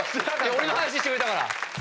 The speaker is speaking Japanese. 俺の話してくれたから。